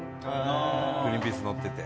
グリーンピースのってて。